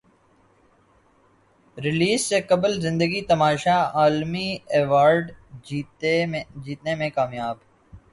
release سے قبل زندگی تماشا عالمی ایوارڈ جیتنے میں کامیاب